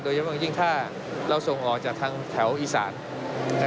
โดยเฉพาะบางที่ทำท่าเราส่งออกจากแถวอีซาน